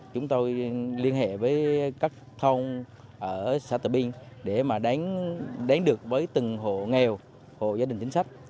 chúng tôi liên hệ với các thông ở xã tà binh để mà đánh được với từng hộ nghèo hộ gia đình chính sách